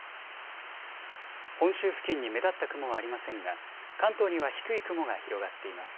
本州付近に目立った雲はありませんが関東には低い雲が広がっています。